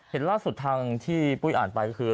เห็นล่าสุดทางที่ปุ้ยอ่านไปก็คือ